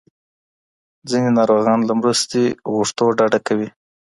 ځینې ناروغان له مرستې غوښتو ډډه کوي.